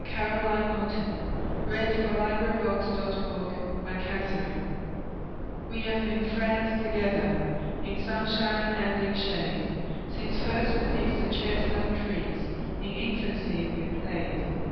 Caroline Norton We Have Been Friends Together WE have been friends together In sunshine and in shade, Since first beneath the chestnut trees, In infancy we played.